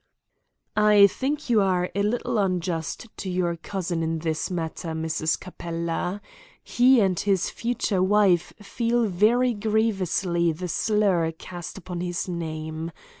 "I think you are a little unjust to your cousin in this matter, Mrs. Capella. He and his future wife feel very grievously the slur cast upon his name.